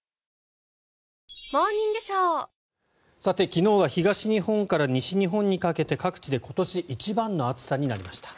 昨日は東日本から西日本にかけて各地で今年一番の暑さになりました。